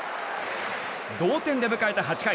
同点で迎えた８回。